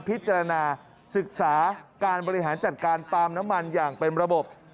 พิจารณาศึกษาการบริหารจัดการปาล์มน้ำมันอย่างเป็นระบบ